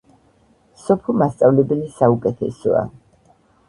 სოფო მასწავლებელი საუკეთესოა